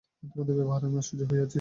তোমাদের ব্যবহারে আমি আশ্চর্য হইয়াছি।